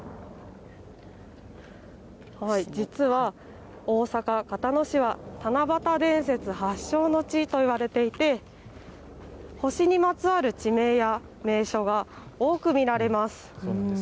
実は大阪、交野市は七夕伝説発祥の地と言われていて星にまつわる地名や名称が多く見られます。